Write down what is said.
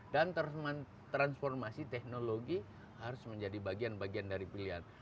dan transformasi teknologi harus menjadi bagian bagian dari pilihan